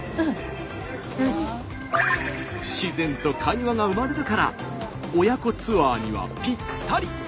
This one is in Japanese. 自然と会話が生まれるから親子ツアーにはぴったり。